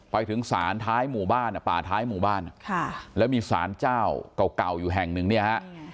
ไปถึงศาลท้ายหมู่บ้านป่าท้ายหมู่บ้านแล้วมีสารเจ้าเก่าอยู่แห่งหนึ่งเนี่ยฮะ